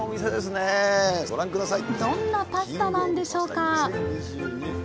どんなパスタなんでしょうか？